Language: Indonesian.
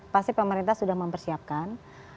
pasti pemerintah sudah mempersiapkan